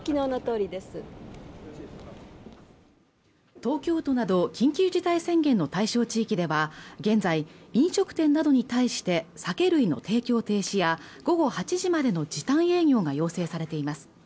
東京都など緊急事態宣言の対象地域では現在飲食店などに対して酒類の提供停止や午後８時までの時短営業が要請されています